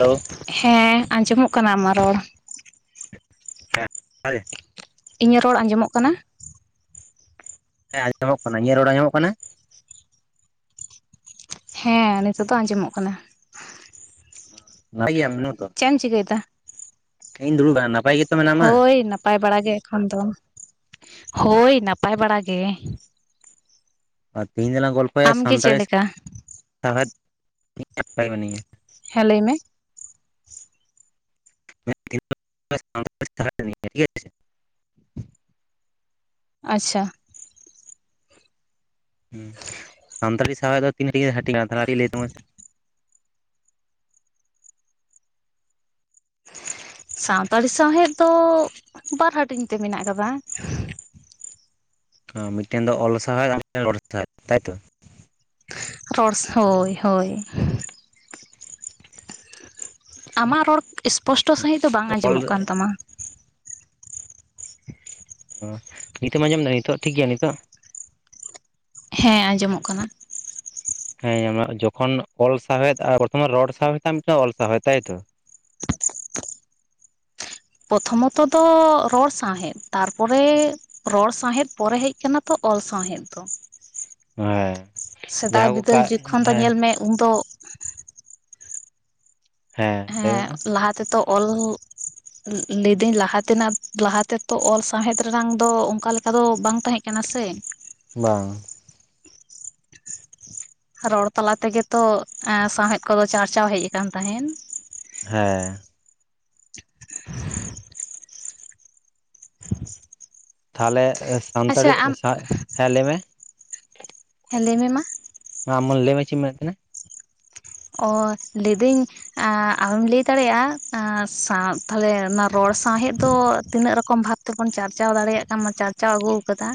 Hello. ᱦᱮᱸ, ᱟᱸᱡᱚᱢᱚᱜ ᱠᱟᱱᱟ ᱟᱢᱟᱜ ᱨᱚᱲ᱾ ᱦᱮᱸ, [unintelligible] ᱤᱧᱟᱹᱜ ᱨᱚᱲ ᱟᱸᱡᱚᱢᱚᱜ ᱠᱟᱱᱟ? ᱦᱮᱸ ᱟᱸᱡᱚᱢᱚᱜ ᱠᱟᱱᱟ, ᱤᱧᱟᱜ ᱨᱚᱲ ᱟᱸᱡᱚᱢᱚᱜ ᱠᱟᱱᱟ? ᱦᱮᱸ, ᱱᱤᱛᱚᱜ ᱫᱚ ᱟᱸᱡᱚᱢᱚᱜ ᱠᱟᱱᱟ᱾ ᱱᱟᱯᱟᱭ ᱜᱮᱭᱟᱢ [unintelligible] ᱛᱚ? ᱪᱮᱫ ᱮᱢ ᱪᱤᱠᱟᱹᱭᱮᱫᱟ? ᱤᱧ ᱫᱩᱲᱩᱵ ᱟᱠᱟᱱᱟ, ᱱᱟᱯᱟᱭ ᱜᱮ ᱛᱚ ᱢᱮᱱᱟᱢᱟ? ᱦᱳᱭ ᱱᱟᱯᱟᱭ ᱵᱟᱲᱟ ᱜᱮ ᱮᱠᱷᱚᱱ ᱫᱚ, ᱦᱳᱭ ᱱᱟᱯᱟᱭ ᱵᱟᱲᱟ ᱜᱮ᱾ ᱟᱨ ᱛᱮᱤᱦᱤᱧ ᱫᱚᱞᱟᱝ ᱜᱚᱞᱯᱚᱭᱟ ᱟᱢᱜᱮ ᱪᱮᱫ ᱥᱟᱱᱛᱟᱲᱤ ᱞᱮᱠᱟ ᱥᱟᱶᱦᱮᱫ᱾ ᱱᱟᱯᱟᱭ ᱜᱮ ᱢᱤᱱᱟᱹᱧᱟ᱾ ᱦᱮᱸ, ᱞᱟᱹᱭ ᱢᱮ? [unintelligible] [unintelligible] [unintelligible] ᱟᱪᱪᱷᱟ᱾ ᱥᱟᱱᱛᱟᱞᱤ ᱥᱟᱶᱦᱮᱫ ᱫᱚ ᱛᱤᱱᱟᱹᱜ ᱨᱮ ᱜᱮ ᱦᱟᱹᱴᱤᱧᱼᱟ, ᱛᱟᱦᱞᱮ ᱠᱟᱴᱤᱡ ᱞᱟᱹᱭ ᱛᱟᱵᱚᱱ ᱢᱮᱥᱮ? ᱥᱟᱱᱛᱟᱞᱤ ᱥᱟᱶᱦᱮᱫ ᱫᱚ, ᱵᱟᱨ ᱦᱟᱹᱴᱤᱧ ᱛᱮ ᱢᱮᱱᱟᱜ ᱠᱟᱫᱟ᱾ ᱢᱤᱫᱴᱮᱱ ᱫᱚ ᱚᱞ ᱥᱟᱣᱦᱮᱫ ᱟᱨ ᱢᱤᱫᱴᱟᱝ ᱫᱚ ᱨᱚᱲ ᱥᱟᱶᱦᱮᱫ, ᱛᱟᱭᱛᱚ? ᱨᱚᱲ [unintelligible] ᱦᱚᱭ ᱦᱚᱭ ᱾ ᱟᱢᱟᱜ ᱨᱚᱲ ᱤᱥᱯᱚᱥᱴᱚ ᱥᱟᱺᱦᱤᱡ ᱫᱚ ᱵᱟᱝ ᱚᱞ ᱟᱸᱡᱚᱢᱚᱜ ᱠᱟᱱ ᱛᱟᱢᱟ᱾ ᱱᱤᱛᱚᱜ ᱢᱟ ᱟᱸᱡᱚᱢ ᱫᱟ ᱱᱤᱛᱚᱜ ᱴᱷᱤᱠ ᱜᱮᱮᱭᱟ ᱱᱤᱛᱚᱜ ᱾ ᱦᱮᱸ ᱟᱸᱡᱚᱢᱚᱜ ᱠᱟᱱᱟ ᱾ ᱦᱮᱸ [unintelligible] ᱡᱚᱠᱷᱚᱱ ᱚᱞ ᱥᱟᱶᱦᱮᱫ ᱟᱨ ᱵᱟᱨᱛᱚᱢᱟᱱ ᱨᱚᱲ ᱥᱟᱶᱦᱮᱫ ᱢᱤᱫᱴ ᱚᱞ ᱥᱟᱶᱟᱦᱮᱫ ᱛᱟᱭᱛᱚ ᱾ ᱯᱚᱨᱚᱛᱷᱚᱢ ᱢᱚᱛᱚ ᱫᱚ ᱨᱚᱲ ᱥᱟᱶᱦᱮᱫ ᱛᱟᱨᱯᱚᱨᱮ ᱨᱚᱲ ᱥᱟᱶᱦᱮᱫ ᱯᱚᱨᱮ ᱦᱮᱡ ᱟᱠᱟᱱᱟ ᱛᱚ ᱚᱞ ᱥᱟᱶᱦᱮᱫ ᱫᱚ ᱾ ᱦᱮᱸ [unintelligible] ᱥᱮᱫᱟᱭ ᱡᱟᱦᱟᱸ ᱠᱚ ᱵᱤᱫᱟᱹᱞ ᱡᱚᱠᱷᱚᱱ ᱫᱚ ᱦᱮᱸ ᱧᱮᱞ ᱢᱮ ᱩᱱ ᱫᱚᱻ ᱞᱟᱹᱭ ᱦᱮᱸ ᱢᱮ ᱞᱟᱦᱟ ᱛᱮ ᱫᱚ ᱚᱞ ᱞᱟᱹᱭᱫᱟᱹᱧ ᱞᱟᱦᱟ ᱛᱮᱱᱟᱜ ᱞᱟᱦᱟ ᱛᱮ ᱛᱚ ᱚᱞ ᱥᱟᱶᱦᱮᱫ ᱨᱮᱱᱟᱜᱝ ᱫᱚ ᱚᱱᱠᱟ ᱞᱮᱠᱟ ᱫᱚ ᱵᱟᱝ ᱛᱟᱦᱮᱸ ᱠᱟᱱᱟ ᱾ ᱠᱮᱱᱟ ᱥᱮᱻ ᱾ ᱵᱟᱝ᱾ ᱨᱚᱲ ᱛᱟᱞᱟ ᱛᱮᱜᱮᱛᱚ ᱥᱟᱶᱦᱮᱫ ᱠᱚᱫᱚ ᱪᱟᱨᱪᱟᱣ ᱦᱮᱡ ᱟᱠᱟᱱ ᱛᱟᱦᱮᱸᱱ ᱾ ᱦᱮᱸᱻ ᱾ [unintelligible] ᱛᱟᱦᱚᱞᱮ ᱟᱪᱪᱷᱟ ᱥᱟᱱᱛᱟᱲᱤ ᱟᱢ [unintelligible] ᱞᱟᱹᱭᱢᱮ ᱾ ᱦᱮᱸᱻ ᱞᱟᱹᱭ ᱢᱮ ᱢᱟ ᱾ ᱢᱟ ᱟᱢ ᱢᱟ ᱞᱟᱹᱭᱢ ᱢᱮ ᱪᱮᱫ ᱢᱮᱱ ᱮᱫ ᱛᱟᱦᱮᱱᱟ? ᱚ ᱞᱟᱹᱭᱫᱟᱹᱧ ᱟᱢ ᱮᱢ ᱞᱟᱹᱭ ᱫᱟᱲᱮᱭᱟᱜᱼᱟ ᱥᱟᱶ ᱛᱟᱦᱞᱮ ᱚᱱᱟ ᱨᱚᱲ ᱥᱟᱶᱦᱮᱫ ᱫᱚ ᱛᱤᱱᱟᱹᱜ ᱨᱚᱠᱚᱢ ᱵᱷᱟᱵ ᱛᱮᱵᱚᱱ ᱪᱟᱨᱪᱟᱣ ᱫᱟᱲᱮᱭᱟᱜ ᱠᱟᱱᱟ ᱪᱟᱨᱪᱟᱣ ᱟᱹᱜᱩ ᱟᱠᱟᱫᱟ᱾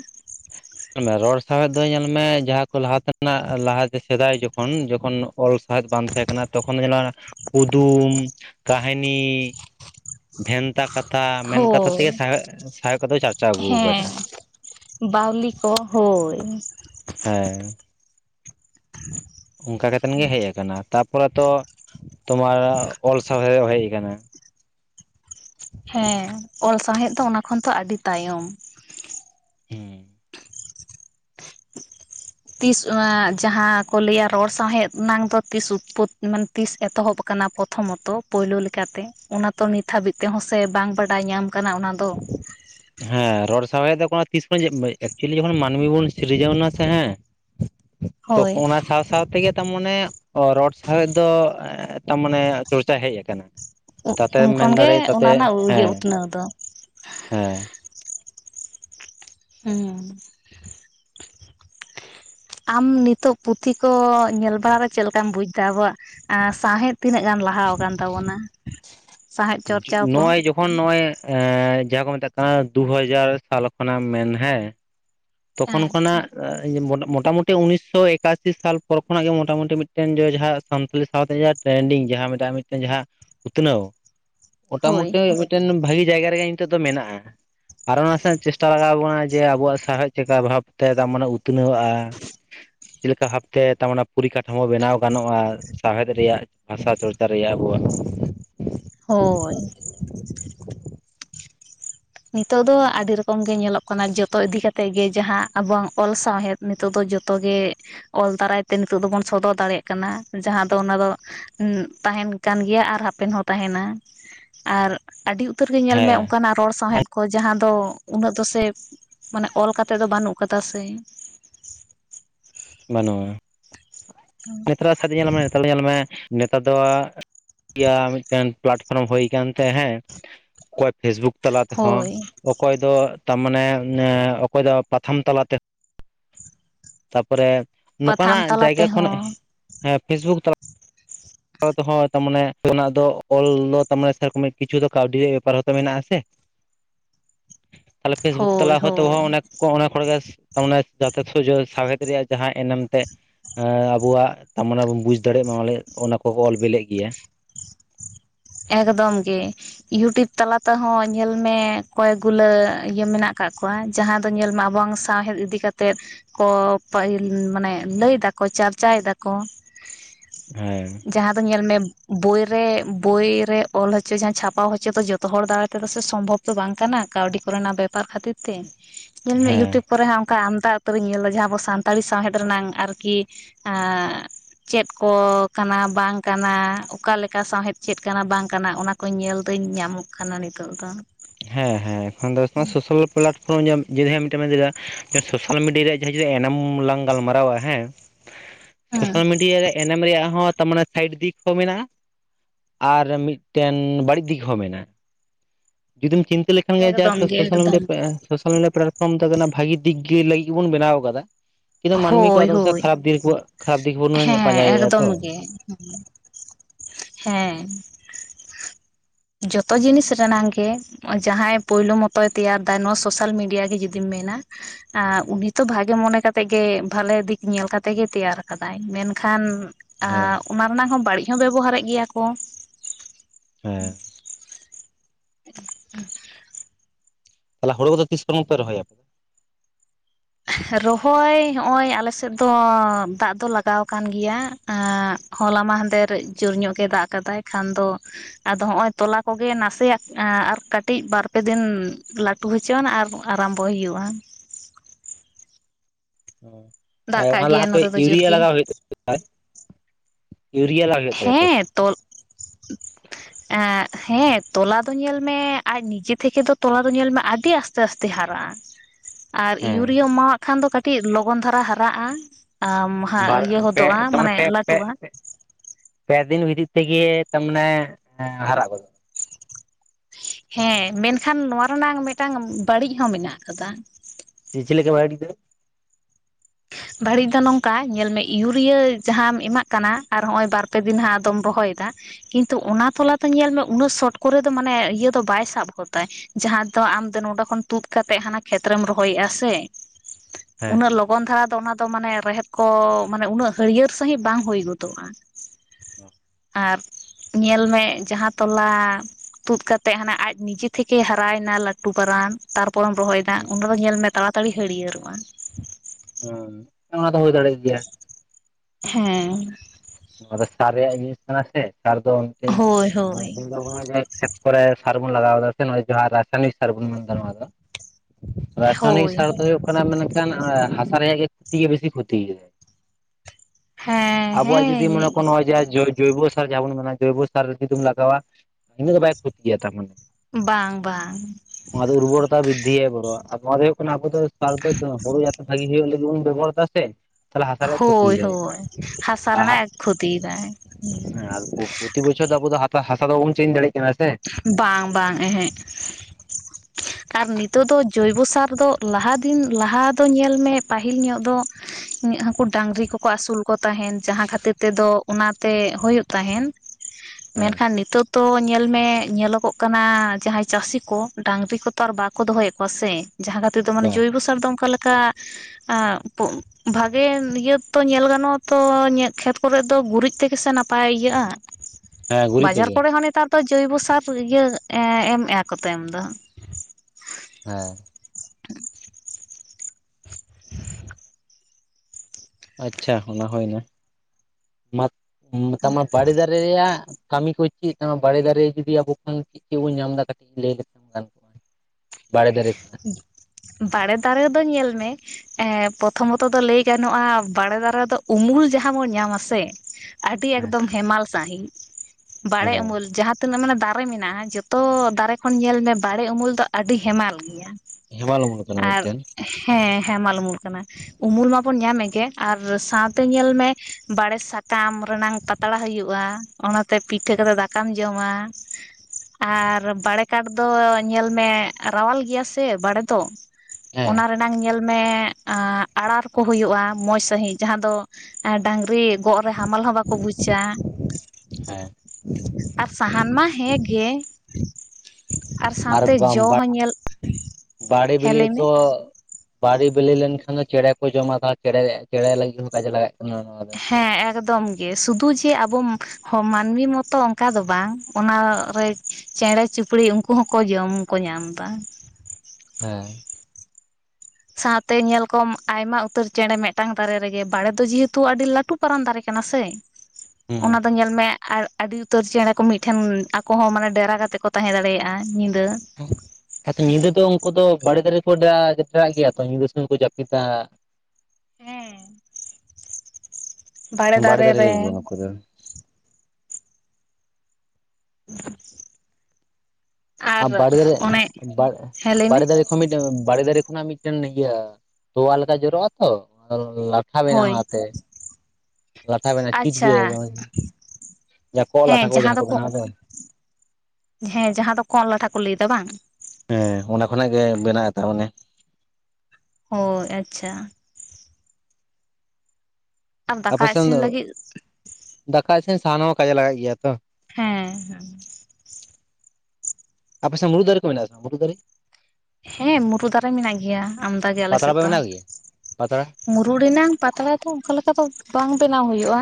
ᱧᱮᱞ ᱢᱮ ᱨᱚᱲ ᱥᱟᱶᱦᱮᱫ ᱫᱚ ᱧᱮᱞ ᱢᱮ ᱡᱟᱦᱟᱸ ᱠᱚ ᱞᱟᱦᱟ ᱛᱮᱱᱟᱜ ᱞᱟᱦᱟᱛᱮ ᱥᱮᱫᱟᱭ ᱡᱚᱠᱷᱚᱱ ᱡᱚᱠᱷᱚᱱ ᱚᱞ ᱥᱟᱶᱮᱫ ᱵᱟᱝ ᱛᱟᱦᱮᱸ ᱠᱟᱱᱟ ᱛᱚᱠᱷᱚᱱ ᱜᱮ ᱡᱮᱱᱟ ᱠᱩᱫᱩᱢ, ᱠᱟᱹᱟᱦᱤᱱᱤ ᱵᱷᱮᱱᱛᱟ ᱠᱟᱛᱷᱟ, ᱢᱮᱱ ᱠᱟᱛᱷᱟ ᱦᱳᱭ ᱛᱮᱜᱮ ᱥᱟ ᱥᱟᱦᱮ ᱠᱚᱫᱚ ᱪᱟᱨᱪᱟᱣ ᱟᱹᱜᱩ ᱦᱮᱸ ᱟᱠᱟᱫᱟ ᱾ ᱵᱟᱣᱞᱤ ᱠᱚ ᱦᱚᱭ᱾ ᱦᱮᱸᱻ [unintelligible] ᱚᱱᱠᱟ ᱠᱟᱛᱮᱱ ᱜᱮᱤ ᱦᱮᱡ ᱟᱠᱟᱱᱟ᱾ ᱛᱟᱯᱚᱨᱮ ᱛᱚ [inaudible] ᱛᱚᱢᱟᱨ ᱚᱞ ᱥᱟᱶᱦᱮᱫ ᱦᱮᱡ ᱟᱠᱟᱱᱟ᱾ ᱦᱮᱸ ᱚᱞ ᱥᱟᱶᱦᱮᱫ ᱫᱚ ᱚᱱᱟ ᱠᱷᱚᱱᱛᱚ ᱟᱹᱰᱤ ᱛᱟᱭᱚᱢ᱾ ᱦᱮᱸ ᱛᱤᱥ ᱚᱱᱟ ᱡᱟᱦᱟᱸ ᱠᱚ ᱞᱟᱹᱭᱼᱟ ᱨᱚᱲ ᱥᱟᱶᱦᱮᱫ ᱟᱱᱟᱝ ᱫᱚ ᱛᱤᱥ ᱩᱛᱯᱚᱛᱟᱱ ᱛᱤᱥ ᱮᱛᱚᱦᱚᱵ ᱟᱠᱟᱱᱟ ᱯᱨᱚᱛᱷᱚᱢᱚᱛᱚ ᱯᱩᱭᱭᱞᱳ ᱞᱮᱠᱟᱛᱮ? ᱚᱱᱟ ᱛᱚ ᱱᱤᱛ ᱦᱟᱹᱵᱤᱡ ᱛᱮᱦᱚᱸ ᱥᱮ ᱵᱟᱝ ᱵᱟᱰᱟᱭ ᱧᱟᱢ ᱟᱠᱟᱱᱟ ᱚᱱᱟᱫᱚ ᱾ ᱦᱮᱸ ᱨᱚᱲ ᱥᱟᱵᱟᱭ ᱫᱚ ᱛᱤᱥ [unintelligible] ᱮᱠᱪᱩᱭᱮᱞᱤ ᱡᱚᱠᱷᱚᱱ ᱢᱟᱹᱱᱢᱤ ᱵᱚᱱ ᱥᱤᱨᱡᱟᱹᱣ ᱮᱱᱟ ᱥᱮ ᱦᱮᱸ ᱛᱚ ᱦᱳᱭ ᱚᱱᱟ ᱥᱟᱶ-ᱥᱟᱶ ᱛᱮᱜᱮ ᱛᱟᱨ ᱢᱟᱱᱮ ᱚ ᱨᱚᱲ ᱥᱟᱶᱦᱮᱫ ᱫᱚ ᱛᱟᱨ ᱢᱟᱱᱮ ᱪᱚᱨᱪᱟ ᱦᱮᱡ ᱟᱠᱟᱱᱟ ᱾ ᱛᱟᱛᱮᱢ ᱢᱮᱱ ᱫᱟᱲᱮᱭᱟᱜ ᱛᱟᱛᱮ ᱦᱮᱸᱻ [unintelligible] ᱫᱚᱻ ᱦᱮᱸᱻ ᱦᱩᱸ ᱟᱢ ᱱᱤᱛᱚᱜ ᱯᱩᱛᱷᱤ ᱠᱚ ᱧᱮᱞ ᱵᱟᱲᱟ ᱢᱮ ᱪᱮᱫ ᱞᱮᱠᱟᱢ ᱵᱩᱡ ᱫᱟ ᱟᱵᱚᱣᱟᱜ ᱾ ᱟᱨ ᱥᱟᱶᱸᱦᱮᱫ ᱛᱤᱱᱟᱹᱜ ᱜᱟᱱ ᱞᱟᱦᱟ ᱟᱠᱟᱱ ᱛᱟᱵᱚᱱᱟ? ᱥᱟᱶᱦᱮᱫ ᱪᱚᱨᱪᱟᱣ ᱠᱚ ᱱᱚᱜᱼᱚᱭ ᱡᱚᱜ ᱛᱚᱠᱷᱚᱱ ᱱᱚᱜᱼᱚᱭ ᱮ ᱡᱟᱦᱟᱸ ᱠᱚ ᱢᱮᱛᱟᱜ ᱠᱟᱱᱟ ᱫᱩ ᱦᱟᱡᱟᱨ ᱥᱟᱞ ᱠᱷᱱᱟᱜ ᱢᱮᱱ ᱦᱮᱸ, ᱦᱮᱸ ᱛᱚᱠᱷᱚᱱ ᱠᱷᱚᱱᱟᱜ ᱢᱚᱴᱟ-ᱢᱩᱴᱤ ᱩᱱᱤᱥᱥᱚ ᱮᱠᱟᱥᱤ ᱥᱟᱞ ᱯᱚᱨ ᱠᱷᱚᱱᱟᱜ ᱜᱮ ᱢᱚᱴᱟ-ᱢᱩᱴᱤ ᱢᱤᱫᱴᱮᱱ ᱡᱮ ᱡᱟᱦᱟᱸ ᱥᱟᱱᱛᱟᱞᱤ ᱥᱟᱣᱛᱮ ᱴᱨᱮᱱᱰᱤᱝ ᱡᱟᱦᱟᱸ ᱢᱮᱟᱜ ᱢᱤᱫᱴ ᱡᱟᱦᱟᱸ ᱩᱛᱱᱟᱹᱣ ᱦᱳᱭ ᱢᱚᱴᱟ-ᱢᱩᱴᱤ ᱢᱤᱫᱴᱮᱱ ᱵᱷᱟᱜᱤ ᱡᱟᱭᱜᱟ ᱨᱮᱜᱮ ᱱᱤᱛᱚᱜ ᱫᱚ ᱢᱮᱱᱟᱜᱼᱟ ᱟᱨ ᱚᱱᱟ ᱥᱟᱶ ᱪᱮᱥᱴᱟ ᱞᱟᱜᱟᱣ ᱵᱚᱱᱟ ᱡᱮ ᱟᱵᱚᱣᱟᱜ ᱥᱦᱮᱫ ᱪᱮᱠᱟ ᱵᱷᱟᱵ ᱛᱮ ᱮᱠᱫᱚᱢ ᱢᱟᱱᱮ ᱩᱛᱱᱟᱹᱣᱟᱜᱼᱟ᱾ ᱪᱮᱫ ᱞᱮᱠᱟ ᱵᱷᱟᱵ ᱛᱮ ᱛᱨ ᱯᱚᱨᱤᱠᱟᱴᱷᱟᱢ ᱦᱚᱸ ᱵᱮᱱᱟᱣ ᱜᱟᱱᱚᱜᱼᱟ ᱥᱟᱶᱦᱮᱫ ᱨᱮᱭᱟᱜ ᱵᱷᱟᱥᱟ ᱪᱚᱨᱪᱟ ᱨᱮᱭᱟᱜ [unintelligible] ᱦᱚᱭ ᱱᱤᱛᱚᱜ ᱫᱚ ᱟᱹᱰᱤ ᱨᱚᱠᱚᱢ ᱜᱮ ᱧᱮᱞᱚᱜ ᱚᱱᱟ ᱡᱚᱛᱚ ᱤᱫᱤ ᱠᱟᱛᱮᱫ ᱜᱮ ᱡᱟᱦᱟᱸ ᱟᱵᱚᱣᱟᱜ ᱚᱞ ᱥᱟᱶᱦᱮᱫ ᱱᱤᱛᱚᱜ ᱫᱚ ᱡᱚᱛᱚ ᱜᱮᱻ ᱚᱞ ᱫᱟᱨᱟᱭ ᱛᱮ ᱱᱤᱛᱚᱜ ᱫᱚᱵᱚᱱ ᱥᱚᱫᱚᱨ ᱫᱟᱲᱮᱭᱟᱜ ᱠᱟᱱᱟ᱾ ᱡᱟᱦᱟᱸ ᱫᱚ ᱚᱱᱟ ᱫᱚ, ᱛᱟᱦᱮᱱ ᱠᱟᱱ ᱜᱮᱭᱟ ᱟᱨ ᱦᱟᱯᱮᱱ ᱦᱚᱸ ᱛᱟᱦᱮᱱᱟ᱾ ᱟᱨ ᱟᱹᱰᱤ ᱩᱛᱟᱹᱨ ᱜᱮ ᱧᱮᱞ ᱢᱮ ᱦᱮᱸ ᱚᱱᱠᱟᱱᱟᱜ ᱨᱚᱲ ᱥᱟᱶ ᱥᱟᱶᱦᱮᱫ ᱠᱚ ᱡᱟᱦᱟᱸ ᱫᱚ ᱩᱱᱟᱹᱜ ᱫᱚ ᱥᱮ ᱢᱟᱱᱮ ᱚᱞ ᱠᱟᱛᱮᱜ ᱫᱚ ᱵᱟᱹᱱᱩᱜ ᱠᱟᱫᱟ ᱥᱮ, ᱵᱟᱹᱱᱩᱜᱼᱟ᱾ ᱱᱮᱛᱟᱨᱟᱜ ᱥᱟᱶᱛᱮ ᱧᱮᱞ ᱢᱮ ᱱᱮᱛᱟᱨ ᱫᱚ ᱧᱮᱞ ᱢᱮ ᱱᱮᱛᱟᱨ ᱫᱚ ᱜᱤᱭᱟᱹ ᱢᱤᱫᱴᱮᱱ ᱯᱞᱟᱴᱯᱷᱨᱚᱢ ᱦᱩᱭ ᱟᱠᱟᱱ ᱛᱮ ᱦᱮᱸ ᱚᱠᱚᱭ ᱯᱷᱮᱥᱵᱩᱠ, ᱛᱟᱞᱟ ᱛᱮᱦᱚᱸ ᱦᱳᱭ ᱚᱠᱚᱭ ᱫᱚ ᱛᱟᱨᱢᱟᱱᱮ ᱚᱠᱚᱭ ᱫᱚ ᱯᱟᱛᱷᱟᱢ ᱛᱟᱞᱟ ᱛᱮᱦᱚᱸ, ᱯᱟᱛᱷᱟᱢ ᱱᱚᱝᱠᱟᱱᱟᱜ ᱛᱟᱞᱟ ᱡᱟᱭᱜᱟ ᱠᱷᱚᱱᱟᱜ ᱛᱮᱦᱚᱸ ᱦᱮᱸ ᱯᱷᱮᱥᱵᱩᱠ ᱛᱟᱞᱟ ᱛᱮ᱾ ᱛᱮᱦᱚᱸ ᱛᱟᱨ ᱢᱟᱱᱮ ᱚᱱᱟᱫᱚ ᱚᱞ ᱫᱚ ᱛᱟᱨᱢᱟᱱᱮ ᱥᱮ ᱨᱚᱠᱚᱢ ᱠᱤᱪᱷᱩ ᱫᱚ ᱠᱟᱹᱣᱰᱤ ᱨᱮᱭᱟᱜ ᱵᱮᱯᱟᱨ ᱦᱚᱸ ᱛᱚ ᱢᱮᱱᱟᱜᱼᱟ ᱥᱮ᱾ [inaudible] ᱛᱟᱦᱚᱞᱮ ᱯᱷᱮᱥᱵᱩᱠ ᱛᱟᱞᱟ ᱦᱳᱭ ᱦᱚᱛᱚ ᱦᱳᱭ ᱚᱱᱮᱠ ᱚᱱᱮᱠ ᱦᱚᱲ ᱠᱚᱜᱮ ᱛᱟᱨ ᱢᱟᱱᱮ ᱡᱟᱛᱮ ᱥᱩᱡᱳᱜ ᱥᱟᱶᱦᱮᱫ ᱨᱮᱭᱟᱜ ᱡᱟᱦᱟᱸ ᱮᱱᱮᱢ ᱛᱮᱜ, ᱟᱵᱚᱣᱟᱜ ᱛᱟᱨᱢᱟᱱᱮ ᱵᱚᱱ ᱵᱩᱡ ᱫᱟᱲᱮᱜ ᱢᱟ ᱚᱱᱟ ᱠᱚᱠᱚ ᱚᱞ ᱵᱤᱞᱮᱜ ᱜᱮᱭᱟ᱾ ᱮᱠᱫᱚᱢ ᱜᱮᱻ ᱤᱭᱩᱴᱩᱵᱽ ᱛᱟᱞᱟ ᱛᱮᱦᱚᱸ ᱧᱮᱞᱢᱮ ᱠᱚᱭᱮᱠ ᱜᱩᱞᱟᱹ ᱤᱭᱟᱹ ᱢᱮᱱᱟᱜ ᱟᱠᱟᱫ ᱠᱚᱣᱟ ᱡᱟᱦᱟᱸ ᱫᱚ ᱧᱮᱞᱢᱟ ᱟᱵᱚᱣᱟᱝ ᱥᱟᱶᱦᱮᱫ ᱤᱫᱤ ᱠᱟᱛᱮᱫ ᱠᱚ ᱯᱟᱹᱦᱤᱞ ᱢᱟᱱᱮ ᱞᱟᱹᱭ ᱫᱟᱠᱚ ᱪᱟᱨᱪᱟᱭ ᱫᱟᱠᱚ᱾ ᱦᱮᱸ᱾ ᱡᱟᱦᱟᱸ ᱫᱚ ᱧᱮᱞ ᱢᱮ ᱵᱳᱭ ᱨᱮ, ᱵᱚᱭ ᱨᱮ ᱚᱞ ᱦᱚᱪᱚ ᱡᱟᱦᱟᱸ ᱪᱷᱟᱯᱟᱣ ᱦᱚᱪᱚ ᱫᱚ ᱡᱚᱛᱚ ᱦᱚᱲ ᱫᱟᱨᱟ ᱛᱮᱫᱚ ᱥᱮ ᱥᱚᱢᱵᱷᱚᱵ ᱫᱚ ᱵᱟᱝ ᱠᱟᱱᱟ᱾ ᱠᱟᱹᱣᱰᱤ ᱠᱚᱨᱮᱱᱟᱜ ᱵᱮ ᱵᱮᱯᱟᱨ ᱠᱷᱟᱹᱛᱤᱨ ᱛᱮ ᱧᱮᱞ ᱢᱮ ᱦᱮᱸ ᱤᱭᱩᱴᱩᱵ ᱠᱚᱨᱮ ᱦᱚᱸ ᱚᱱᱠᱟ ᱟᱢᱫᱟ ᱩᱛᱟᱹᱨᱤᱧ ᱧᱮᱞ ᱫᱟ ᱡᱟᱦᱟᱸ ᱟᱵᱚ ᱥᱟᱱᱛᱟᱲᱤ ᱥᱟᱶᱦᱮᱫ ᱨᱮᱱᱟᱝ ᱟᱨᱠᱤ ᱮᱸᱜ ᱪᱮᱫ ᱠᱚ ᱠᱟᱱᱟ ᱵᱟᱝ ᱠᱟᱱᱟ ᱚᱠᱟᱞᱮᱠᱟ ᱥᱟᱶᱦᱮᱫ ᱪᱮᱫ ᱠᱟᱱᱟ ᱵᱟᱝ ᱠᱟᱱᱟ ᱚᱱᱟ ᱠᱚ ᱧᱮᱞ ᱫᱟᱹᱧ ᱧᱟᱢᱚᱜ ᱠᱟᱱᱟ ᱱᱤᱛᱚᱜ ᱫᱚ᱾ ᱦᱮᱸ ᱦᱮᱸ ᱮᱠᱷᱚᱱ ᱫᱚ ᱥᱳᱥᱟᱞ ᱯᱞᱟᱴ ᱡᱩᱫᱤ ᱦᱟᱜ ᱢᱤᱫᱴᱮᱱ ᱥᱳᱥᱟᱞ ᱢᱤᱰᱤᱭᱟ ᱨᱮᱭᱟᱜ ᱡᱟᱦᱟᱸᱭ ᱡᱩᱫᱤ ᱮᱱᱮᱢ ᱞᱟᱝ ᱜᱟᱞᱢᱟᱨᱟᱣᱟ ᱦᱮᱸ [inaudible] ᱥᱳᱥᱟᱞ ᱢᱤᱰᱤᱭᱟ ᱨᱮ ᱮᱱᱮᱢ ᱨᱮᱭᱟᱜ ᱦᱚᱸ ᱛᱟᱨᱢᱟᱱᱮ ᱥᱟᱭᱤᱴ ᱫᱤᱠ ᱦᱚᱸ ᱢᱮᱱᱟᱜᱼᱟ᱾ ᱟᱨ ᱢᱤᱫᱴᱮᱱ ᱵᱟᱹᱲᱤᱡ ᱫᱤᱠ ᱦᱚᱸ ᱢᱮᱱᱟᱜ᱾ ᱡᱩᱫᱤᱢ ᱪᱤᱱᱛᱟᱹ ᱞᱮᱠᱷᱟᱱ ᱜᱮ ᱡᱟᱥ ᱮᱠᱫᱚᱢ ᱥᱳᱥᱟᱞ ᱮᱠᱫᱚᱢ ᱜᱮ ᱢᱤᱰᱤᱭᱟ ᱥᱳᱥᱟᱞ ᱢᱤᱰᱤᱭᱟ ᱯᱞᱟᱴᱯᱷᱨᱚᱢ ᱫᱚ ᱠᱟᱱᱟ ᱵᱷᱟᱜᱤ ᱫᱤᱠ ᱫᱤᱭᱮ ᱞᱟᱹᱜᱤᱫ ᱜᱮᱵᱚᱱ ᱵᱮᱱᱟᱣ ᱟᱠᱟᱫᱟ᱾ ᱠᱤᱱᱛᱩ ᱢᱟᱹᱱᱢᱤ ᱠᱚ ᱦᱳᱭ ᱟᱫᱚᱢ ᱥᱚᱢᱚᱭ ᱦᱳᱭ ᱠᱷᱟᱨᱟᱯ ᱠᱷᱟᱨᱟᱯ ᱫᱤᱠ ᱵᱚᱱ ᱦᱮᱸ ᱯᱟᱸᱡᱟᱭᱮᱜᱼᱟ ᱛᱚ᱾ ᱮᱠᱫᱚᱢ [unintelligible] ᱦᱮᱸ᱾ ᱡᱚᱛᱚ ᱡᱤᱱᱤᱥ ᱨᱮ ᱨᱮᱱᱟᱜᱝ ᱜᱮ, ᱡᱟᱦᱟᱸᱭ ᱯᱳᱭᱞᱳ ᱢᱚᱛᱚᱭ ᱛᱮᱭᱟᱨ ᱫᱟ ᱱᱚᱣᱟ ᱥᱳᱥᱟᱞ ᱢᱤᱰᱤᱭᱟ ᱜᱮ ᱡᱩᱫᱤᱢ ᱢᱮᱱᱟ᱾ ᱟᱨ ᱩᱱᱤ ᱛᱚ ᱵᱷᱟᱜᱮ ᱢᱚᱱᱮ ᱠᱟᱛᱮᱜ ᱜᱮ ᱵᱷᱟᱞᱮ ᱫᱤᱠ ᱧᱮᱞ ᱠᱟᱛᱮ ᱜᱮ ᱛᱮᱭᱟᱨ ᱟᱠᱟᱫᱟ᱾ ᱢᱮᱱᱠᱷᱟᱱ ᱦᱮᱸ ᱚᱱᱟ ᱨᱮᱱᱟᱜ ᱦᱚᱸ ᱵᱟᱹᱲᱤᱡ ᱦᱚᱸ ᱵᱮᱵᱚᱦᱟᱨᱮᱜ ᱜᱮᱭᱟ ᱠᱚ᱾ ᱦᱮᱸ᱾ [inaudible] ᱛᱟᱦᱚᱞᱮ ᱦᱳᱲᱳ ᱠᱚ ᱫᱚ ᱛᱤᱥ ᱠᱷᱚᱱ ᱯᱮ ᱨᱚᱦᱚᱭᱟ? ᱨᱚᱦᱚᱭ ᱦᱚᱜᱼᱚᱭ ᱟᱞᱮᱥᱮᱫ ᱫᱚ ᱫᱟᱜ ᱫᱚ ᱞᱟᱜᱟᱣ ᱟᱠᱟᱱ ᱜᱮᱭᱟ᱾ ᱦᱟᱸᱜ ᱦᱚᱞᱟ ᱢᱟᱦᱟᱸᱫᱮᱨ ᱡᱳᱨ ᱧᱚᱜ ᱜᱮ ᱫᱟᱜ ᱟᱠᱟᱫᱟᱭ ᱠᱷᱟᱱ ᱫᱚ᱾ ᱟᱫᱚ ᱦᱚᱸᱜ ᱚᱭ ᱛᱚᱞᱟ ᱠᱚᱜᱮ ᱱᱟᱥᱮᱭᱟᱜ ᱟᱨ ᱠᱟᱹᱴᱤᱡ ᱵᱟᱨᱯᱮ ᱫᱤᱱ ᱞᱟᱹ ᱴᱩ ᱦᱚᱪᱚᱣᱟᱱ ᱟᱨ ᱟᱨᱟᱢᱵᱚᱭ ᱦᱩᱭᱩᱜᱼᱟ᱾ ᱟᱨ ᱫᱟᱜ ᱠᱟᱜ ᱚᱱᱟ ᱜᱮᱭᱟᱭ ᱞᱟᱦᱟᱛᱮ ᱱᱚᱛᱮ ᱫᱚ ᱡᱳᱨ ᱤᱭᱩᱨᱤᱭᱟ ᱜᱮ ᱞᱟᱜᱟᱣ ᱦᱩᱭᱩᱜ ᱛᱟᱯᱮᱭᱟ᱾ ᱤᱭᱩᱨᱤᱭᱟ ᱞᱟᱜᱟᱣ ᱦᱩᱭᱩᱜ ᱛᱟᱯᱮᱭᱟ ᱛᱚ ᱦᱮᱸ ᱛᱚᱞ ᱦᱮᱸ ᱛᱚᱞᱟ ᱫᱚ ᱧᱮᱞ ᱢᱮ ᱟᱡ ᱱᱤᱡᱮ ᱛᱷᱮᱠᱮ ᱫᱚ ᱛᱚᱞᱟ ᱫᱚ ᱧᱮᱞ ᱢᱮ ᱟᱹᱰᱤ ᱟᱥᱛᱮ ᱟᱥᱛᱮ ᱦᱟᱨᱟᱜᱼᱟ᱾ ᱟᱨ ᱦᱮᱸ ᱤᱭᱩᱨᱤᱭᱟᱹᱢ ᱮᱢᱟᱣᱟᱜ ᱠᱷᱟᱱ ᱫᱚ ᱠᱟᱹᱴᱤᱡ ᱞᱚᱜᱚᱱ ᱫᱷᱟᱨᱟ ᱦᱟᱨᱟᱜᱼᱟ ᱟᱢ ᱦᱟᱸᱜ ᱵᱟᱨ ᱤᱭᱟᱹ ᱯᱮ ᱦᱚᱚᱫᱚᱜᱼᱟ ᱛᱟᱨᱢᱟᱱᱮ ᱢᱟᱱᱮ ᱯᱮ ᱯᱮ ᱞᱟᱹᱴᱩᱜᱼᱟ ᱯᱮ ᱫᱤᱱ ᱵᱷᱤᱛᱨᱤ ᱛᱮᱜᱮ ᱛᱟᱨᱢᱟᱱᱮ ᱦᱟᱨᱟᱜ ᱜᱚᱫᱚᱜ ᱦᱮᱸ ᱢᱮᱱᱠᱷᱟᱱ ᱱᱚᱣᱟ ᱨᱮᱱᱟᱝ ᱢᱤᱫᱴᱟᱝ ᱵᱟᱹᱲᱤᱡ ᱦᱚᱸ ᱢᱮᱱᱟᱜ ᱟᱠᱟᱫᱟ ᱪᱮ ᱪᱮᱫ ᱞᱮᱠᱟ ᱵᱰᱤ ᱫᱚ [inaudible] ᱵᱟᱹᱲᱤᱡ ᱫᱚ ᱱᱚᱝᱠᱟ ᱧᱮᱞ ᱢᱮ ᱤᱭᱩᱨᱤᱭᱟᱹ ᱡᱟᱦᱟᱸᱟᱢ ᱮᱢᱟᱜ ᱠᱟᱱᱟ ᱟᱨ ᱱᱚᱜ ᱚᱚᱭ ᱵᱟᱨ ᱯᱮ ᱫᱤᱱ ᱦᱟᱸᱜ ᱟᱫᱚᱢ ᱨᱚᱦᱚᱭᱮᱫᱟ ᱠᱤᱱᱛᱩ ᱚᱱᱟ ᱛᱟᱞᱟᱛᱮ ᱧᱮᱞ ᱢᱮ ᱩᱱᱟᱹᱜ ᱥᱚᱴ ᱠᱚᱨᱮ ᱫᱚ ᱢᱟᱱᱮ ᱤᱭᱟᱹ ᱫᱚ ᱵᱟᱭ ᱥᱟᱵ ᱜᱚᱫᱟᱭ ᱡᱟᱦᱟᱸ ᱫᱚ ᱟᱢ ᱫᱚ ᱱᱚᱰᱮ ᱠᱷᱚᱱ ᱛᱩᱫ ᱠᱟᱛᱮᱜ ᱦᱟᱱᱟ ᱠᱷᱮᱛᱨᱮᱢ ᱨᱚᱦᱚᱭᱮᱫᱼᱟ ᱥᱮ ᱦᱮᱸ ᱩᱱᱟᱹᱜ ᱞᱚᱜᱚᱱ ᱫᱷᱟᱨᱟ ᱛᱚ ᱚᱱᱟ ᱫᱚ ᱢᱟᱱᱮ ᱨᱮᱦᱮᱫ ᱠᱚ ᱢᱟᱱᱮ ᱩᱱᱟᱹᱜ ᱦᱟᱹᱨᱭᱟᱹᱲ ᱥᱟᱺᱦᱤᱡ ᱵᱟᱝ ᱦᱩᱭ ᱜᱚᱫᱚᱜᱼᱟ ᱦᱚᱸ ᱟᱨ ᱧᱮᱞ ᱢᱮ ᱡᱟᱦᱟᱸ ᱛᱚᱞᱟ ᱛᱩᱫ ᱠᱟᱛᱮᱜ ᱦᱟᱱᱮ ᱟᱡ ᱱᱤᱡᱮ ᱛᱷᱮᱠᱮ ᱦᱟᱨᱟᱭᱱᱟ ᱞᱟᱹᱴᱩ ᱯᱟᱨᱟᱱ ᱛᱟᱨᱯᱚᱨᱮᱢ ᱨᱚᱦᱚᱭ ᱫᱟ ᱚᱸᱰᱮ ᱫᱚ ᱧᱮᱞ ᱢᱮᱮ ᱛᱟᱲᱟ ᱛᱟᱲᱤ ᱦᱟᱹᱲᱭᱟᱹᱲᱚᱜᱼᱟ ᱦᱟᱸ ᱚᱱᱟ ᱫᱚ ᱦᱩᱭ ᱫᱟᱲᱮᱭᱟᱜ ᱜᱮᱭᱟ ᱦᱮᱸ ᱱᱚᱣᱟ ᱫᱚ ᱥᱟᱨ ᱨᱮᱭᱟᱜ ᱡᱤᱱᱤᱥ ᱠᱟᱱᱟ ᱥᱮ ᱥᱟᱨ ᱫᱚ ᱚᱱᱛᱮ ᱦᱳᱭ [unintelligible] ᱦᱳᱭ [unintelligible] ᱠᱚ ᱥᱟᱨ ᱵᱚᱱ ᱞᱟᱜᱟᱣ ᱮᱫᱟ ᱥᱮ ᱡᱚᱦ ᱨᱟᱥᱟᱭᱚᱱᱤᱠ ᱥᱟᱨ ᱵᱚᱱ ᱢᱮᱱᱫᱟ ᱱᱚᱣᱟ ᱫᱚ ᱨᱟᱥᱟᱭᱚᱱᱤᱠ ᱦᱳᱭ ᱥᱟᱨ ᱫᱚ ᱦᱩᱭᱩᱜ ᱠᱟᱱᱟ ᱢᱮᱱᱠᱷᱟᱱ ᱦᱟᱥᱟ ᱨᱮᱭᱟᱜ ᱜᱮ ᱠᱷᱚᱛᱤ ᱜᱮ ᱵᱮᱥᱤ ᱠᱷᱚᱛᱤᱟᱭ ᱦᱮᱸ ᱦᱮᱸ ᱤᱭᱟᱹᱮᱜ ᱜᱮᱭᱟ ᱡ ᱡᱨᱚᱵ ᱡᱚᱭᱵᱚᱚᱥᱟᱨ ᱡᱟᱦᱟᱸ ᱵᱚᱱ ᱢᱮᱱᱟ ᱡᱚᱭᱵᱚᱚᱥ ᱥᱟᱨ ᱡᱩᱫᱤᱢ ᱞᱟᱜᱟᱣᱟ ᱤᱱᱟᱹᱜ ᱫᱚ ᱵᱟᱭ ᱠᱷᱚᱛᱤ ᱜᱮᱭᱟ ᱛᱟᱱ ᱵᱟᱝ ᱵᱟᱝ ᱱᱚᱣᱟ ᱫᱚ ᱩᱨᱵᱚᱨᱚᱛᱟ ᱵᱤᱫᱫᱤᱭᱟᱭ ᱵᱚᱨᱚ ᱱᱚᱣᱟ ᱫᱚ ᱦᱩᱭᱩᱜ ᱵᱷᱟᱜᱤ ᱦᱩᱭᱩᱜᱼᱟ ᱞᱟᱹᱜᱤᱫ ᱵ ᱵᱮᱵᱚᱦᱟᱨ ᱛᱟ ᱥᱮ ᱛᱟᱦᱚᱞᱮ ᱦᱟᱥᱟ ᱨᱮᱭᱟᱜ ᱦᱳᱭ ᱠᱷᱚᱛᱤᱭᱮᱫᱟᱭ ᱦᱳᱭ ᱦᱟᱥᱟ ᱨᱮᱱᱟᱜ ᱟᱨ ᱮ ᱠᱷᱚᱛᱤᱭᱮᱫᱟᱭ ᱟᱨ ᱯᱨᱚᱛᱤ ᱵᱚᱪᱷᱚᱨ ᱟᱵᱚ ᱦᱟᱛᱟ ᱦᱟᱥᱟ ᱫᱚ ᱵᱟᱵᱚᱱ ᱪᱮᱧᱡ ᱫᱟᱲᱭᱟᱜ ᱠᱟᱱᱟ ᱥᱮ ᱵᱟᱝ ᱵᱟᱝ ᱮᱦᱮᱜ ᱟᱨ ᱱᱤᱛᱚᱜ ᱫᱚ ᱡᱳᱵᱚ ᱥᱟᱨ ᱫᱚ ᱞᱟᱦᱟ ᱫᱤᱱ ᱞᱟᱦᱟ ᱫᱚ ᱧᱮᱞ ᱢᱮ ᱯᱟᱹᱦᱤᱞ ᱧᱚᱜ ᱫᱚ ᱤᱧᱟᱹᱜ ᱦᱟᱹᱠᱩ ᱰᱟᱝᱝᱨᱤ ᱠᱚᱠᱚ ᱟᱹᱥᱩᱞ ᱠᱚ ᱛᱟᱦᱮᱱ ᱡᱟᱦᱟᱸ ᱠᱷᱟᱹᱛᱤᱨ ᱛᱮᱫᱚ ᱚᱱᱟᱛᱮ ᱦᱩᱭᱩᱜ ᱛᱟᱦᱮᱱ ᱦᱮᱸ ᱢᱮᱱᱠᱷᱟᱱ ᱱᱤᱛᱚᱜ ᱛᱚ ᱧᱮᱞ ᱢᱮ ᱧᱮᱞᱚᱜᱚᱜ ᱠᱟᱱᱟ ᱡᱟᱦᱟᱸᱭ ᱪᱟᱥᱤ ᱠᱚ ᱰᱟᱹᱝᱨᱤ ᱠᱚ ᱛᱚ ᱟᱨ ᱵᱟᱠᱚ ᱫᱚᱦᱚᱭᱮᱫ ᱠᱚᱣᱟ ᱥᱮ ᱡᱟᱦᱟᱸ ᱠᱷᱟᱹᱛᱤᱨ ᱫᱚ ᱢᱟᱱᱮ ᱵᱟᱝ ᱡᱳᱭᱵᱚ ᱥᱟᱨ ᱫᱚ ᱚᱱᱠᱟ ᱞᱮᱠᱟ [unintelligible] ᱵᱷᱟᱜᱮ ᱤᱭᱟᱹ ᱛᱚ ᱧᱮᱞ ᱜᱟᱱᱚᱜᱼᱟ ᱛᱚ ᱠᱷᱮᱛ ᱠᱚᱨᱮᱮᱫ ᱫᱚ ᱜᱩᱨᱤᱡ ᱛᱮᱜᱮᱮᱥᱮ ᱱᱟᱯᱟᱭ ᱤᱭᱟᱹᱜᱼᱟ ᱦᱮᱸ ᱜᱩᱨᱤᱡ ᱵᱟᱡᱟᱨ ᱛᱮᱜᱮ ᱠᱚᱨᱮ ᱦᱚᱸ ᱱᱮᱛᱟᱨ ᱫᱚ ᱡᱳᱚᱭᱵᱚ ᱥᱟᱨ ᱤᱭᱟᱹ ᱮᱢᱮᱫᱼᱟ ᱠᱚ ᱛᱟᱭᱚᱢ ᱫᱚ ᱦᱮᱸ [unintelligible] ᱟᱪᱪᱷᱟ ᱚᱱᱟ ᱦᱩᱭᱱᱟ [unintelligible] ᱛ ᱵᱟᱲᱤᱫᱟᱨ ᱨᱮᱭᱟᱜ ᱠᱟᱹᱢᱤ ᱠᱚ ᱪᱮᱫ ᱠᱟᱱᱟ ᱵᱟᱨᱮ ᱫᱟᱨᱮ ᱡᱩᱫᱤ ᱟᱵᱚ ᱠᱷ ᱪᱮᱫ ᱪᱮᱫ ᱵᱚᱱ ᱧᱟᱢ ᱮᱟ ᱠᱟᱹᱴᱤᱡ ᱞᱟᱹᱭ ᱞᱮᱠᱷ ᱜᱟᱱ ᱠᱚᱜᱼᱟ ᱵᱟᱲᱮ ᱫᱟᱨᱮ ᱠᱷᱚᱱᱟᱜ ᱵᱟᱲᱮ ᱫᱟᱨᱮ ᱫᱚ ᱧᱮᱞ ᱢᱮᱮ ᱮᱜ ᱯᱨᱚᱛᱷᱚᱢᱚᱛᱚ ᱫᱚ ᱞᱟᱹᱭ ᱜᱟᱱᱚᱜᱼᱟ ᱵᱟᱲᱮ ᱫᱟᱨᱮ ᱨᱮ ᱫᱚ ᱩᱢᱩᱞ ᱡᱟᱦᱟᱸ ᱵᱚᱱ ᱧᱟᱢ ᱟᱥᱮ ᱟᱹᱰᱤ ᱮᱠᱫᱚᱢ ᱦᱮᱢᱟᱞ ᱥᱟᱹᱦᱤᱡ ᱵᱟᱲᱮ ᱦᱮᱸ ᱩᱢᱩᱞ ᱡᱟᱦᱟᱸ ᱛᱤᱱᱟᱹᱜ ᱢᱟᱱᱮ ᱫᱟᱨᱮ ᱢᱮᱱᱟᱜᱼᱟ ᱡᱚᱛᱚ ᱫᱟᱨᱮ ᱠᱷᱚᱱ ᱧᱮᱞ ᱢᱮ ᱵᱟᱲᱮ ᱩᱢᱩᱞ ᱫᱚ ᱟᱹᱰᱤ ᱦᱮᱢᱟᱞ ᱜᱮᱭᱟ ᱦᱮᱣᱟᱟᱞ ᱩᱢᱞ ᱠᱟᱱᱟ ᱟᱨ ᱢᱤᱫᱴᱝ ᱦᱮᱸ ᱦᱮᱢᱟᱞ ᱩᱢᱩᱞ ᱠᱟᱱᱟ ᱩᱢᱩᱞ ᱢᱟᱵᱚᱱ ᱧᱟᱢᱮᱫ ᱜᱮ ᱟᱨ ᱥᱟᱶᱛᱮ ᱧᱮᱞ ᱢᱮ ᱵᱟᱲᱮ ᱥᱟᱠᱟᱢ ᱨᱮᱱᱟᱜ ᱯᱟᱛᱲᱟ ᱦᱩᱭᱩᱜᱼᱟ ᱚᱱᱟᱛᱮ ᱯᱤᱴᱷᱟᱹ ᱠᱟᱛᱮ ᱫᱟᱠᱟᱢ ᱡᱚᱢᱟ ᱟᱨ ᱵᱟᱲᱮ ᱠᱟᱴ ᱫᱚ ᱧᱮᱞ ᱢᱮᱮ ᱨᱟᱣᱟᱞ ᱜᱮᱭᱟ ᱥᱮ ᱵᱟᱲᱮ ᱫᱚ ᱚᱱᱟ ᱦᱮᱸ ᱨᱮ ᱮᱱᱟᱝ ᱧᱮᱞ ᱢᱮᱸᱻ ᱟᱸ ᱟᱲᱟᱨ ᱠᱚ ᱦᱩᱭᱩᱜᱼᱟ ᱢᱚᱸᱡᱽ ᱥᱟᱺᱦᱤᱡ ᱡᱟᱦᱟᱸ ᱫᱚ ᱰᱟᱝᱨᱤ ᱜᱚᱜ ᱨᱮ ᱦᱟᱢᱟᱞ ᱦᱚᱸ ᱵᱟᱠᱚ ᱵᱩᱡᱟ [unintelligible] ᱥᱟᱦᱟᱱ ᱢᱟ ᱦᱮᱸ ᱜᱮᱮ ᱟᱨ ᱥᱟᱶᱛᱮ ᱡᱚ ᱦᱚᱸ ᱧᱮᱞ ᱵᱟᱲᱮ ᱦᱮᱸ ᱞᱟᱹᱭ ᱢᱮ ᱵᱮᱞᱮᱫᱚ ᱵᱲᱮ ᱵᱤᱞᱤ ᱞᱮᱱᱠᱷᱟᱱ ᱫᱚ ᱪᱮᱬᱮ ᱠᱚ ᱡᱚᱢᱟᱫᱟ ᱪᱮᱬᱮ ᱪᱮᱬᱮ ᱞᱟᱹᱜᱤᱫ ᱦᱚᱸ ᱠᱟᱡ ᱞᱟᱜᱟᱜ ᱠᱟᱱᱟ ᱱᱚᱣᱟ ᱦᱮᱸ ᱮᱠᱫᱚᱢ ᱜᱮ ᱥᱩᱫᱩ ᱡᱮ ᱟᱵᱚᱢ ᱦᱚ ᱢᱟᱹᱱᱢᱤ ᱢᱚᱛᱚ ᱚᱱᱠᱟ ᱫᱚ ᱵᱟᱝ ᱚᱱᱟ ᱨᱮ ᱪᱮᱬᱮ ᱪᱩᱯᱲᱤ ᱩᱱᱠᱩ ᱦᱚᱸᱠᱚ ᱡᱚᱢ ᱠᱚ ᱧᱟᱢ ᱫᱟ ᱦᱮᱸ ᱥᱟᱶᱛᱮ ᱧᱮᱞ ᱠᱚᱢ ᱟᱭᱢᱟ ᱩᱛᱟᱹᱨ ᱪᱮᱬᱮ ᱢᱤᱫᱴᱟᱝ ᱫᱟᱨᱮ ᱨᱮᱜᱮ ᱵᱟᱲᱮ ᱫᱚ ᱡᱮᱦᱮᱛᱩ ᱟᱹᱰᱤ ᱞᱟᱟᱹᱴᱩ ᱯᱟᱨᱚᱢ ᱫᱟᱨᱮ ᱠᱟᱱᱟ ᱥᱮ ᱦᱩᱸ ᱚᱱᱟ ᱫᱚ ᱧᱮᱞ ᱢᱮ ᱟᱨ ᱟᱹᱰᱤ ᱩᱛᱟᱹᱨ ᱪᱮᱬᱮ ᱠᱚ ᱢᱤᱫᱴᱷᱮᱱ ᱟᱠᱚ ᱦᱚᱸ ᱢᱟᱱᱮ ᱰᱮᱨᱟ ᱠᱟᱛᱮᱮᱫ ᱠᱚ ᱛᱟᱦᱮᱸ ᱫᱟᱲᱮᱭᱟᱜᱼᱟ ᱧᱤᱫᱟᱹ [unintelligible] ᱧᱤᱫᱟᱹ ᱫᱚ ᱩᱱᱠᱩ ᱫᱚ ᱵᱟᱲᱮ ᱫᱟᱨᱮ ᱨᱮᱠᱚ ᱰᱮᱨᱟ ᱰᱮᱨᱟᱜ ᱜᱮᱭᱟ ᱛᱚ ᱧᱤᱫᱟᱹ ᱥᱚᱢᱚᱭ ᱠᱚ ᱡᱟᱹᱯᱤᱫᱟ ᱦᱮᱸ ᱵᱟᱲᱮ ᱫᱟᱨᱮ ᱨᱮᱱ [unintelligible] [unintelligible] ᱟᱨ ᱵᱟᱲᱮ ᱫᱟᱨᱮ ᱚᱱᱮ ᱦᱮᱸ ᱞᱟᱹᱭ ᱢᱮ ᱵᱟᱲᱮ ᱫᱟᱨᱮ ᱵᱟᱲᱮ ᱫᱟᱨᱮ ᱠᱷᱚᱱᱟᱜ ᱢᱤᱫᱴᱮᱱ ᱤᱭᱟᱹ ᱛᱚᱣᱟ ᱞᱮᱠᱟ ᱡᱚᱨᱚᱜ ᱟ ᱛᱚ ᱛᱟᱵᱱᱟ ᱦᱳᱭ ᱚᱱᱟᱛᱮ [unintelligible] ᱞᱟᱴᱷᱟ ᱵᱮᱱᱟᱜᱼᱟ ᱪᱤᱴ ᱟᱪᱪᱷᱟ ᱜᱮ ᱡᱟ ᱠᱚᱸᱜ ᱦᱮᱸ ᱞᱟᱴᱷᱟ ᱠᱚ ᱡᱟᱦᱟᱸ ᱠᱚ ᱫᱚᱠᱚ ᱵᱮᱱᱟᱣ ᱫᱚ ᱦᱮᱸ ᱡᱟᱦᱟᱸ ᱫᱚᱠᱚ ᱠᱚᱜ ᱞᱟᱴᱷᱟ ᱠᱚ ᱞᱟᱹᱭᱮᱫᱟ ᱵᱟᱝ ᱦᱮᱸ ᱚᱱᱟ ᱠᱷᱚᱱᱟᱜ ᱜᱮ ᱵᱮᱱᱟᱜ ᱛᱟᱦᱚᱞᱮ ᱦᱳᱭ ᱟᱪᱪᱷᱟ ᱟᱨ ᱟᱯ ᱫᱟᱠᱟ ᱥᱮᱱ ᱤᱥᱤᱱ ᱫᱚ ᱞᱟᱹᱜᱤᱫ ᱫᱟᱠᱟ ᱤᱥᱤᱱ ᱥᱟᱦᱟᱱ ᱦᱚᱸ ᱠᱟᱡᱮ ᱞᱟᱜᱟᱜ ᱜᱮᱭᱟ ᱛᱚ ᱦᱮᱸ ᱟᱯᱮ ᱥᱮᱫ ᱢᱩᱨᱩᱫ ᱠᱚ ᱢᱮᱱᱟᱜ ᱟ ᱥᱮ ᱵᱟᱝ ᱢᱩᱨᱩᱫ ᱫᱟ. ᱨᱮ ᱦᱮᱸ ᱢᱩᱨᱩ ᱫᱟᱨᱮ ᱢᱮᱱᱟᱜ ᱜᱮᱭᱟ ᱟᱢᱫ ᱜᱮ ᱟᱞᱮ ᱯᱟᱛᱲᱟ ᱥᱮᱫ ᱯᱮ ᱫᱚ ᱵᱮᱱᱟᱣ ᱜᱮᱭᱟ ᱯᱟᱛᱲᱟ ᱢᱩᱨᱩ ᱨᱮᱱᱟᱝ ᱯᱟᱛᱲᱟ ᱫᱚ ᱚᱱᱠᱟ ᱞᱮᱠᱟ ᱫᱚ ᱵᱟᱝ ᱵᱮᱱᱟᱣ ᱦᱩᱭᱩᱜᱼᱟ